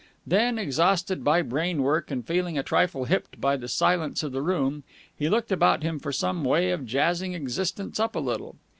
Then, exhausted by brain work and feeling a trifle hipped by the silence of the room, he looked about him for some way of jazzing existence up a little.